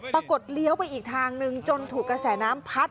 เลี้ยวไปอีกทางนึงจนถูกกระแสน้ำพัด